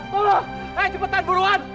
tolong hei cepetan buruan